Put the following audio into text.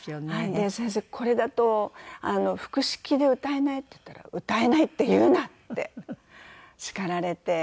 で「先生これだと腹式で歌えない」って言ったら「歌えないって言うな！」って叱られて。